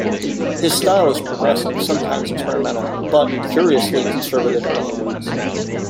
His style is progressive, sometimes experimental, but curiously conservative in other ways.